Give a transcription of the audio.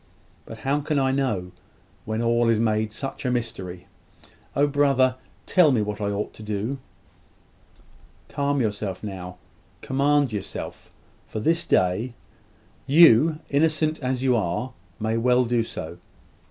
But how can I know, when all is made such a mystery? Oh, brother, tell me what I ought to do!" "Calm yourself now. Command yourself; for this day. You, innocent as you are, may well do so.